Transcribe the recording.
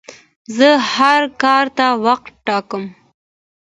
زه هر کار ته وخت ټاکم.